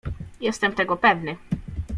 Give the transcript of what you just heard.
"Jestem tego pewny."